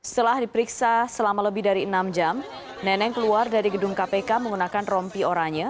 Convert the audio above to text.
setelah diperiksa selama lebih dari enam jam neneng keluar dari gedung kpk menggunakan rompi oranya